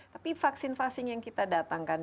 tapi vaksin vaksin yang kita datangkan